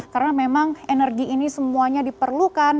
karena memang energi ini semuanya diperlukan